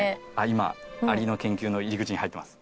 今アリの研究の入り口に入ってます。